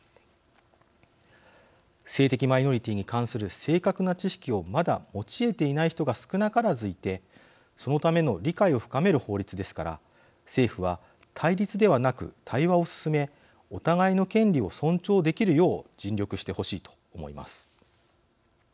性的マイノリティーに関する正確な知識をまだ持ちえていない人が少なからずいてそのための理解を深める法律ですから政府は対立ではなく対話を進めお互いの権利を尊重できるよう尽力してほしいと思います。